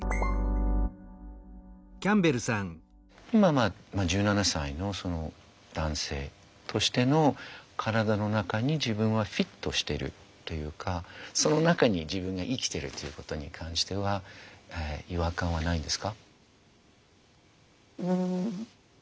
まあまあ１７歳の男性としての体の中に自分はフィットしてるというかその中に自分が生きてるっていうことに関しては違和感はないんですか？